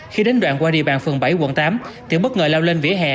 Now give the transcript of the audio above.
khi đến đoạn qua địa bàn phường bảy quận tám thì bất ngờ lao lên vỉa hè